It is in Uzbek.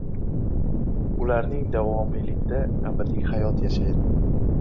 Ularning davomiyligida abadiy hayot yashaydi.